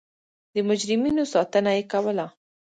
د مجرمینو ساتنه یې کوله.